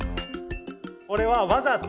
これはわざと。